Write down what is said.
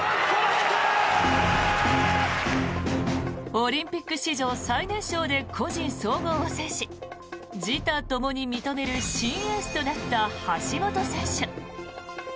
オリンピック史上最年少で個人総合を制し自他ともに認める新エースとなった橋本選手。